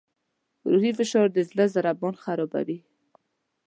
روحي فشار د زړه ضربان خرابوي.